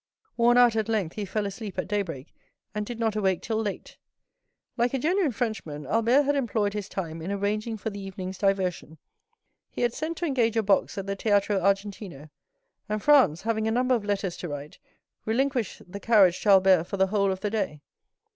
Worn out at length, he fell asleep at daybreak, and did not awake till late. Like a genuine Frenchman, Albert had employed his time in arranging for the evening's diversion; he had sent to engage a box at the Teatro Argentina; and Franz, having a number of letters to write, relinquished the carriage to Albert for the whole of the day.